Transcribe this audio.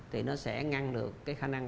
thì nó sẽ ngăn được cái khả năng